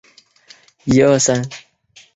蒙得维的亚才全方位的开始落后。